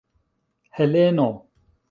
Heleno!